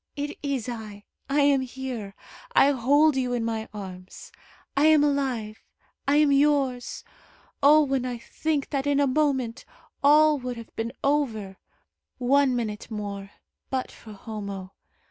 It is I. I am here. I hold you in my arms. I am alive. I am yours. Oh, when I think that in a moment all would have been over one minute more, but for Homo!